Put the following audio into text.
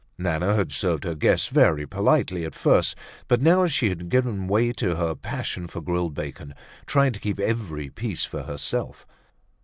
Nana had served her guests very politely at first, but now she had given way to her passion for grilled bacon, trying to keep every piece for herself.